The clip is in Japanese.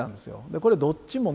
これどっちもね